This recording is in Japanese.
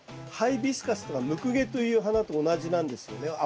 ハイビスカスとかムクゲという花と同じなんですよね。